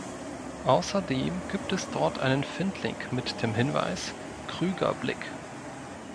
Außerdem gibt es dort einen Findling mit dem Hinweis: „Krüger-Blick“.